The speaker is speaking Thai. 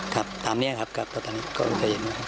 ครับตามนี้ครับตอนนี้ก็ใจเย็นมา